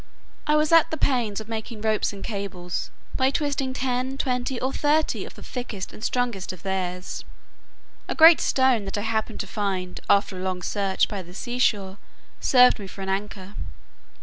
I was at the pains of making ropes and cables, by twisting ten, twenty, or thirty of the thickest and strongest of theirs. A great stone that I happened to find, after a long search, by the sea shore, served me for an anchor.